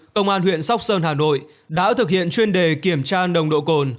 công an huyện sóc sơn hà nội đã thực hiện chuyên đề kiểm tra nồng độ cồn